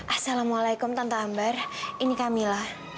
assalamualaikum tante ambar ini kak mila